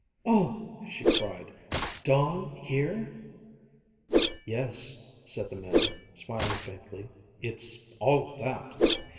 "Oh!" she cried "dawn here!" "Yes," said the man, smiling faintly. "It's all of that!"